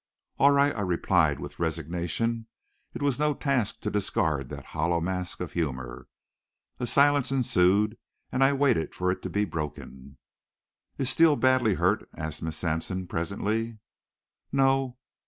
"All right," I replied with resignation. It was no task to discard that hollow mask of humor. A silence ensued, and I waited for it to be broken. "Is Steele badly hurt?" asked Miss Sampson presently. "No.